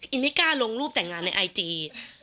ไม่กล้าลงรูปแต่งงานในไอจี